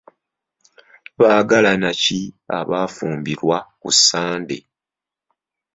Baagalana ki abaafumbirwa ku Sande?